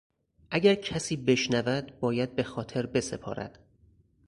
اگر کسی بشنود باید به خاطر بسپارد.